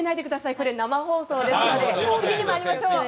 これ、生放送ですので次にまいりましょう。